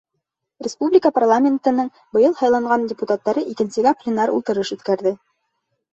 Республика парламентының быйыл һайланған депутаттары икенсегә пленар ултырыш үткәрҙе.